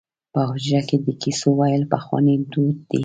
په حجره کې د کیسو ویل پخوانی دود دی.